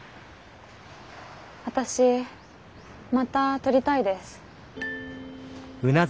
私また撮りたいです。